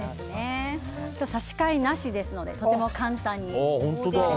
今日、差し替えなしですのでとても簡単に。